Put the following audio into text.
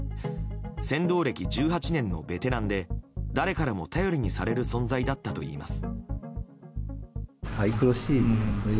船頭歴１８年のベテランで誰からも頼りにされる存在だったといいます。